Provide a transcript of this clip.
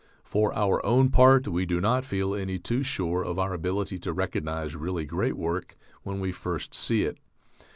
For our own part, we do not feel any too sure of our ability to recognize really great work when we first see it.